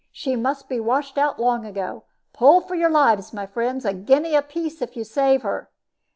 She must be washed out long ago. Pull for your lives, my friends. A guinea apiece if you save her."